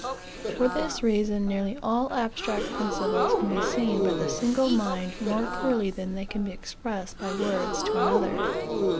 For this reason, nearly all abstract principles can be seen by the single mind more clearly than they can be expressed by words to another.